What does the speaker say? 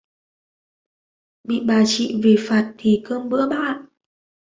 bị bà chị về phạt thì cơm bữa bác ạ